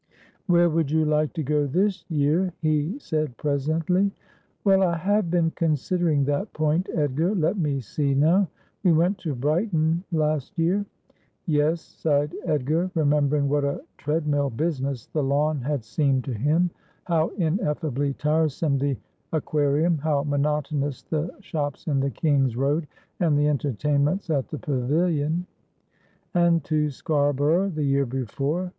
' Where would you like to go this year ?' he said presently. ' Well, I have been considering that point, Edgar. Let me see now. We went to Brighton last year ' 'Yes,' sighed Edgar, remembering what a tread mill business the lawn had seemed to him ; how ineffably tiresome the Aqua rium ; how monotonous the shops in the King's Road, and the entertainments at the Pavilion. ' And to Scarborough the year before.'